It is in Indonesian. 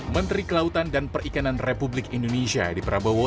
menteri kelautan dan perikanan republik indonesia di prabowo